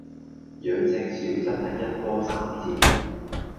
養隻鼠真係一波三折